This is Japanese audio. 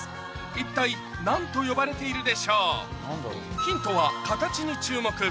一体何と呼ばれているでしょう？